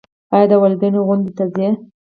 ایا د والدینو غونډې ته ځئ؟